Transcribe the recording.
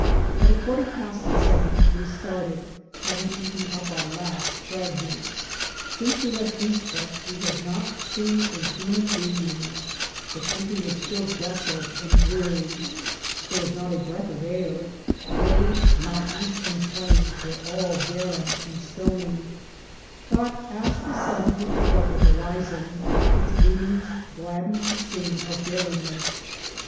At a quar ter past seven we started, having eaten up our last frag ment. Since we left Guista we had not seen a human being ; the country was still desolate and dreary ; there was not a breath of air ; hills, mountains, and plains were all barren and stony ; but, as the sun peeped above the horizon, its beams gladdened this scene of barrenness.